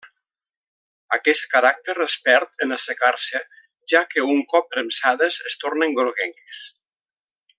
Aquest caràcter es perd en assecar-se, ja que un cop premsades es tornen groguenques.